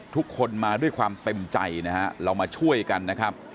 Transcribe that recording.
ทุกคนมาด้วยความเต็มใจนะฮะเรามาช่วยกันนะครับ